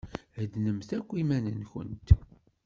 Heddnemt akk iman-nkent!